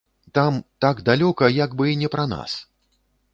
Там, так далёка, як бы і не пра нас.